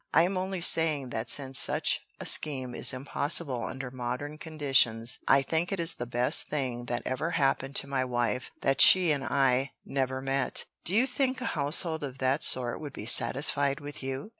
I am only saying that since such a scheme is impossible under modern conditions I think it is the best thing that ever happened to my wife that she and I never met." "Do you think a household of that sort would be satisfied with you?"